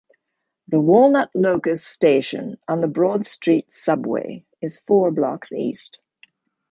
The Walnut-Locust station on the Broad Street Subway is four blocks east.